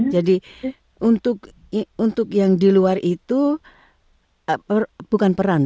jadi untuk yang di luar itu bukan peran